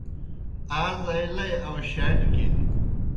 آ زائی لئی آؤشاٹِیْ کِن۔